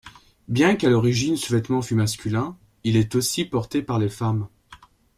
Bien qu'à l'origine ce vêtement fût masculin, il est aussi porté par les femmes.